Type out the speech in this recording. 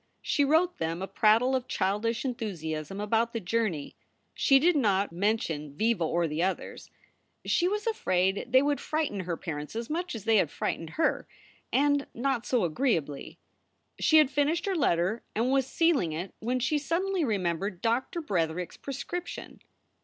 She wrote them a prattle of childish enthusiasm about the journey. She did not mention Viva or the others. She was afraid they would frighten her parents as much as they had frightened her, and not so agreeably. She had finished her letter and was sealing it when she suddenly remembered Doctor Bretherick s prescription.